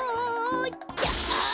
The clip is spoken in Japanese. あ！